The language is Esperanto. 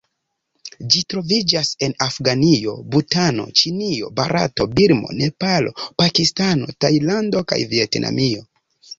Ĝi troviĝas en Afganio, Butano, Ĉinio, Barato, Birmo, Nepalo, Pakistano, Tajlando kaj Vjetnamio.